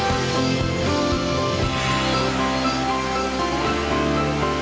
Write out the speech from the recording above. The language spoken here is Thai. อร่อยไหม